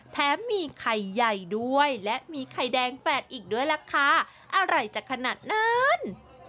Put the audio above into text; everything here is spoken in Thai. แถมมีไข่ใหญ่ด้วยและมีไข่แดงแฝดอีกด้วยล่ะค่ะอร่อยจะขนาดนั้น